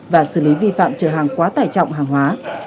và xử lý vi phạm trở hàng quá tải trọng hàng hóa